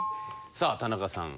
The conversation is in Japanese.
さあ田中さん。